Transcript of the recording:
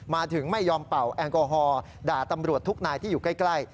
มาถึงไม่ยอมเป่าแอลกอฮอลด่าตำรวจทุกนายที่อยู่ใกล้